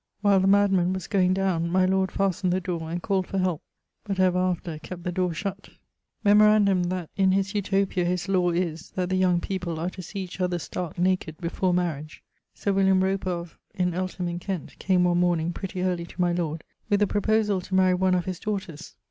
While the madman was goeing downe, my lord fastned the dore, and called for help, but ever after kept the dore shutt. Memorandum that in his Utopia his lawe is[XXXV.] that the young people are to see each other stark naked before marriage. Sir Roper, of ... in Eltham in Kent, came one morning, pretty early, to my lord, with a proposall to marry one of daughters.